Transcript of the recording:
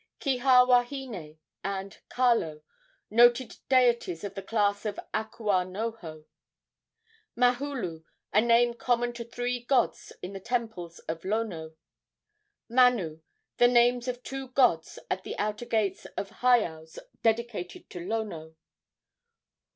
Kiha wahine and Kalo, noted deities of the class of akua noho. Mahulu, a name common to three gods in the temples of Lono. Manu, the names of two gods at the outer gates of heiaus dedicated to Lono.